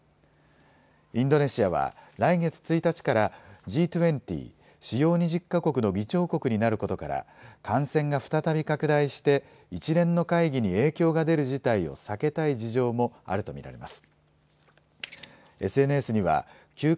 インドネシアは来月１日からＧ２０・主要２０か国の議長国になることから感染が再び拡大して一連の会議に影響が出る事態を避けたい事情もあると見られます。